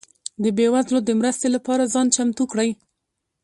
ده بيوزلو ده مرستي لپاره ځان چمتو کړئ